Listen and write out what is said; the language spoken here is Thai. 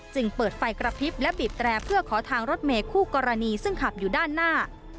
เปิดไฟกระพริบและบีบแตรเพื่อขอทางรถเมย์คู่กรณีซึ่งขับอยู่ด้านหน้า